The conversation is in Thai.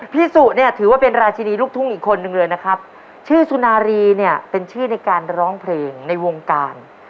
พี่สุเนี่ยถือว่าเป็นราชินีลูกทุ่งอีกคนนึงเลยนะครับชื่อสุนารีเนี่ยเป็นชื่อในการร้องเพลงในวงการ